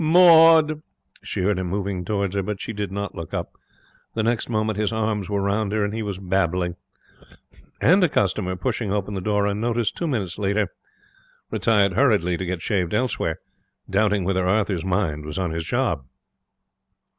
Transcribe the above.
'Maud!' She heard him moving towards her, but she did not look up. The next moment his arms were round her, and he was babbling. And a customer, pushing open the door unnoticed two minutes later, retired hurriedly to get shaved elsewhere, doubting whether Arthur's mind was on his job.